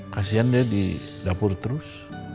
kasian dia di dapur terus